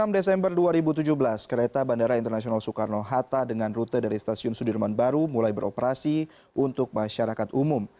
enam desember dua ribu tujuh belas kereta bandara internasional soekarno hatta dengan rute dari stasiun sudirman baru mulai beroperasi untuk masyarakat umum